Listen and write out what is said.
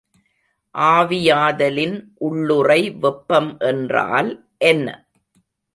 ஆவியாதலின் உள்ளுறை வெப்பம் என்றால் என்ன?